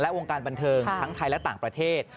วงการบันเทิงทั้งไทยและต่างประเทศ